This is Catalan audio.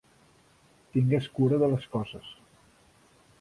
Tingues cura de les coses.